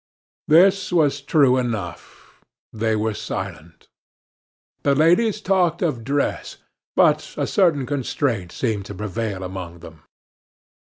This was true enough; they were silent. The ladies talked of dress, but a certain constraint seemed to prevail among them.